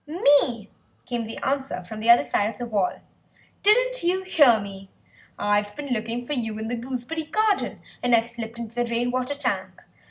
"Me," came the answer from the other side of the wall; "didn't you hear me? I've been looking for you in the gooseberry garden, and I've slipped into the rain water tank.